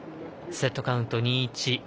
セットカウント２−１。